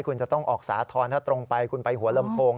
คุณจะต้องออกสาธรณ์ถ้าตรงไปคุณไปหัวลำโพง